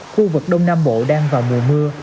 khu vực đông nam bộ đang vào mùa mưa